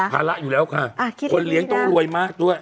ภาระอยู่แล้วค่ะคนเลี้ยงต้องรวยมากด้วย